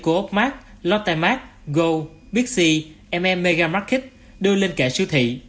coopmart lotte mart go big c m m mega market đưa lên kệ siêu thị